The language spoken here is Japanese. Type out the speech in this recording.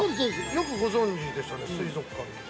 ◆よくご存じでしたね水族館とか。